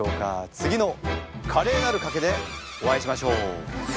次の「カレーなる賭け」でお会いしましょう。